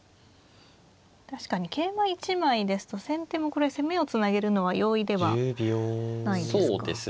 確かに桂馬１枚ですと先手もこれ攻めをつなげるのは容易ではないですか。